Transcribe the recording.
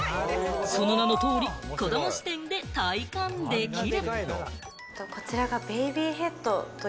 その名の通り、子ども視点で体感できる。